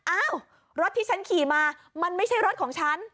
อ้าวรถที่ฉันขี่มามันไม่ใช่รถของฉัน